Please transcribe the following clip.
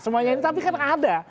semuanya ini tapi kan ada